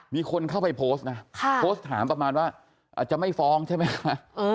มีคนเข้าไปโพสต์นะโพสต์ถามประมาณว่าอาจจะไม่ฟ้องใช่ไหมคะ